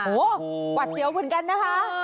โหปวดเจียวเหมือนกันนะคะ